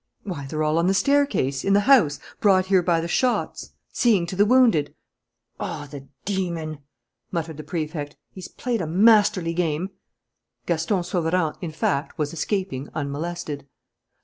"Why, they're all on the staircase, in the house, brought here by the shots, seeing to the wounded " "Oh, the demon!" muttered the Prefect. "He's played a masterly game!" Gaston Sauverand, in fact, was escaping unmolested.